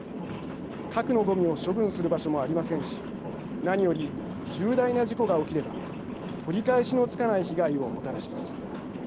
核のゴミを処分する場所もありませんし何より、重大な事故が起きれば取り返しのつかない被害をもたらします。